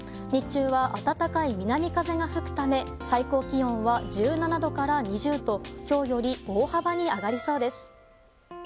日中は暖かい南風が吹くため最高気温は１７度から２０度と今日より大幅に上がりそうです。